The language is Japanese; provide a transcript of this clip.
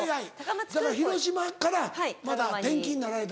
だから広島からまた転勤になられたのか。